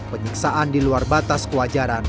penyiksaan di luar batas kewajaran